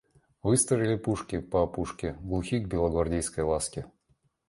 Выстроили пушки по опушке, глухи к белогвардейской ласке.